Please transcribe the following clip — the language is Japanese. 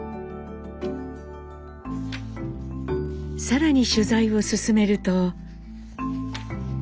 更に取材を進めると。